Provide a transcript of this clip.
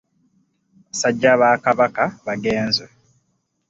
Basajja ba Kabaka bagenze.